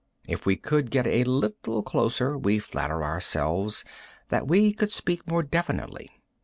If we could get a little closer, we flatter ourselves that we could speak more definitely.